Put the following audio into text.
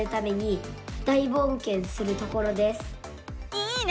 いいね！